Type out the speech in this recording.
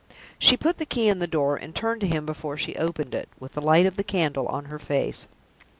She put the key in the door, and turned to him before she opened it, with the light of the candle on her face.